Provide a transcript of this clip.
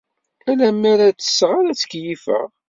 Ala mi ara ttesseɣ ay ttkeyyifeɣ.